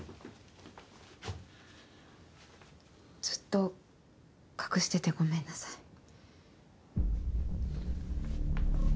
ずっと隠しててごめんなさい。